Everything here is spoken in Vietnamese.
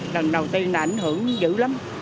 lần đầu tiên là ảnh hưởng dữ lắm